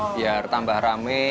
biar tambah rata